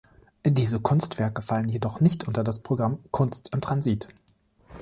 Diese Kunstwerke fallen jedoch nicht unter das Programm „Kunst im Transit“.